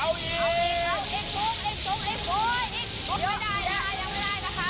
ก็เอาอีกหนึ่งเฉียบ